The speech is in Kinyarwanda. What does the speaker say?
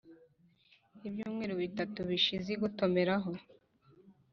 Ibyumweru bitatu bishize, igotomeraho,